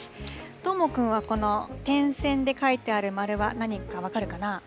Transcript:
どーもくんはこの点線で書いてある丸は何か分かるかな？